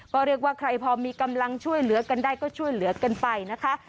ก็เรียกว่าใครพอมีกำลังช่วยเหลือกันได้ก็ช่วยเหลือกันไปนะคะ